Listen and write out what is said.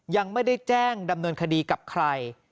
ยังไม่ได้แจ้งดำเนินคดีกับใคร